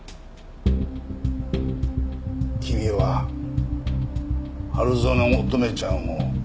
君は春薗乙女ちゃんを殺した。